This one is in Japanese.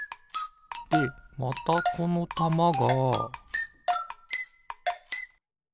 でまたこのたまがピッ！